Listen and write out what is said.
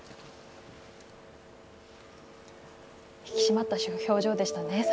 引き締まった表情でしたね